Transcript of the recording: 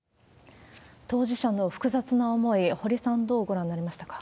当事者の複雑な思い、堀さん、どうご覧になりましたか？